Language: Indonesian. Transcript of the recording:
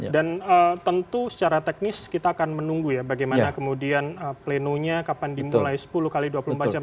dan tentu secara teknis kita akan menunggu ya bagaimana kemudian plenonya kapan dimulai sepuluh x dua puluh empat jam